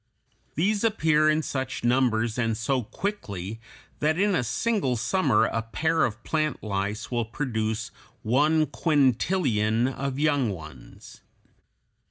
These appear in such numbers and so quickly that in a single summer a pair of plant lice will produce one quintillion of young ones.